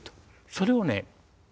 それをね